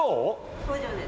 工場です。